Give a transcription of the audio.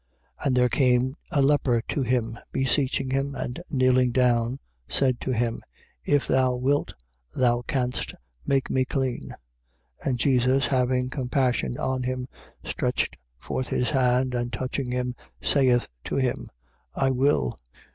1:40. And there came a leper to him, beseeching him and kneeling down, said to him: If thou wilt thou canst make me clean. 1:41. And Jesus, having compassion on him, stretched forth his hand and touching him saith to him: I will.